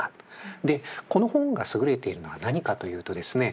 でこの本が優れているのは何かというとですね